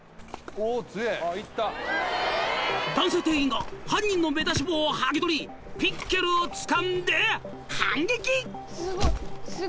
［男性店員が犯人の目出し帽を剥ぎ取りピッケルをつかんで反撃］